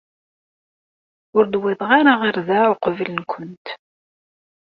Ur d-wwiḍeɣ ara ɣer da uqbel-nwent.